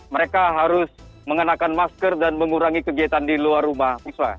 mereka harus mengenakan masker dan mengurangi kegiatan di luar rumah